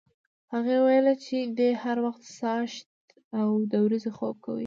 هغې ویل چې دی هر وخت څاښتي او د ورځې خوب کوي.